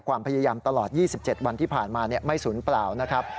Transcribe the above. ความพยายามตลอด๒๗วันที่ผ่านมาไม่สูญเปล่านะครับ